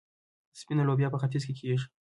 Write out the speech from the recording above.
سپینه لوبیا په ختیځ کې کیږي.